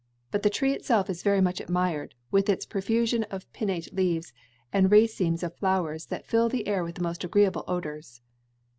But the tree itself is very much admired, with its profusion of pinnate leaves and racemes of flowers that fill the air with the most agreeable odors."